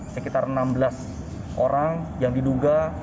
sekitar enam belas orang yang diduga